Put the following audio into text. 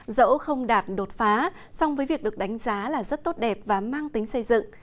dẫu không đạt đột phá song với việc được đánh giá là rất tốt đẹp và mang tính xây dựng